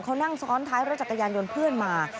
เขานั่งซ้อนท้ายรถจักรยานยนต์เพื่อนมา